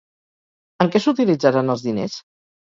En què s'utilitzaran els diners?